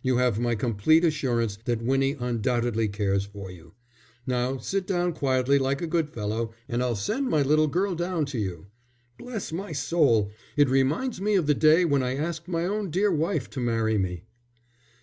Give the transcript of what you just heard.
You have my complete assurance that Winnie undoubtedly cares for you. Now sit down quietly like a good fellow, and I'll send my little girl down to you. Bless my soul, it reminds me of the day when I asked my own dear wife to marry me."